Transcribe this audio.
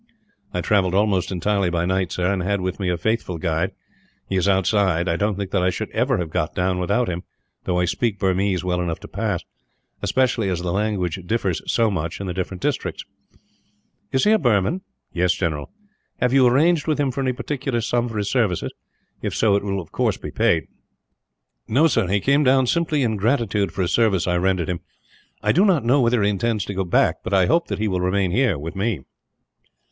"I travelled almost entirely by night, sir; and I had with me a faithful guide. He is outside. I don't think that I should ever have got down without him, though I speak Burmese well enough to pass especially as the language differs so much, in the different districts." "Is he a Burman?" "Yes, general." "Have you arranged with him for any particular sum for his services? If so, it will of course be paid." "No, sir; he came down simply in gratitude for a service I rendered him. I do not know whether he intends to go back; but I hope that he will remain here, with me."